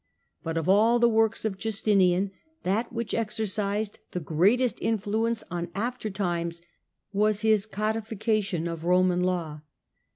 But of all the works of Justinian, that which ex The Code ercised the greatest influence on after times was hisLaw codification of Roman Law.